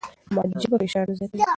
مادي ژبه فشار نه زیاتوي.